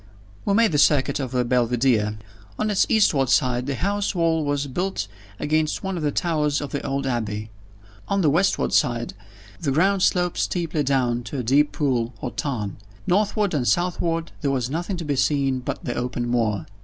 We made the circuit of the Belvidere. On its eastward side the house wall was built against one of the towers of the old Abbey. On the westward side, the ground sloped steeply down to a deep pool or tarn. Northward and southward, there was nothing to be seen but the open moor.